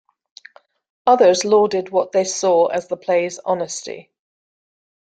Others lauded what they saw as the plays' honesty.